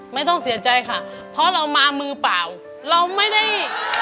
ไม่ต้องเสียใจค่ะเพราะเรามามือเปล่าเราไม่ได้